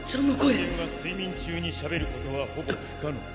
つまり人間が睡眠中にしゃべることはほぼ不可能。